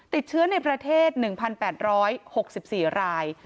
ติดเชื้อในประเทศ๑๘๖๔ราย